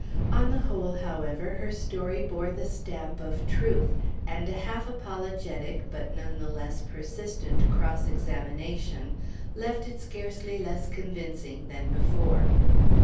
On the whole, however, her story bore the stamp of truth; and a half apologetic but none the less persistent cross examination left it scarcely less convincing than before.